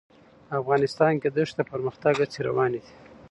افغانستان کې د ښتې د پرمختګ هڅې روانې دي.